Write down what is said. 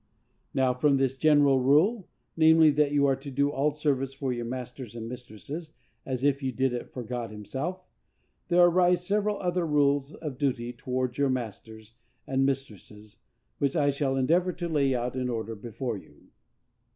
Now, from this general rule,—namely, that you are to do all service for your masters and mistresses as if you did it for God himself,—there arise several other rules of duty towards your masters and mistresses, which I shall endeavor to lay out in order before you.